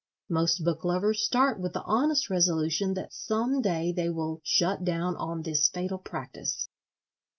Most book lovers start with the honest resolution that some day they will "shut down on" this fatal practice.